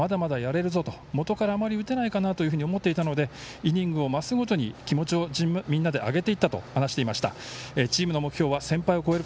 チームはノーヒットが続いてまだやれるぞともとからあまり打てないかなというふうに思っていたのでイニングを増すごとに気持ちをみんなで上げていったと話していました。